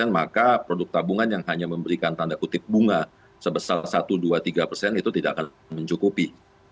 maka produk tabungan yang hanya memberikan tanda kutip bunga sebesar satu dua tiga persen itu tidak akan mencukupi